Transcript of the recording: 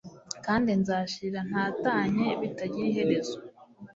Kandi nzashira ntatanye bitagira iherezo